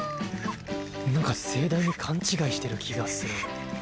なんか盛大に勘違いしてる気がする